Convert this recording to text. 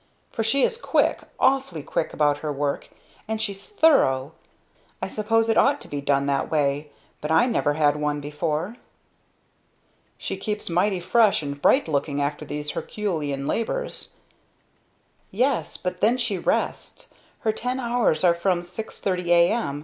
For she is quick, awfully quick about her work. And she's thorough. I suppose it ought to be done that way but I never had one before." "She keeps mighty fresh and bright looking after these herculean labors." "Yes, but then she rests! Her ten hours are from six thirty a.m.